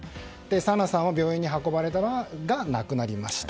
紗菜さんは病院に運ばれたが亡くなりました。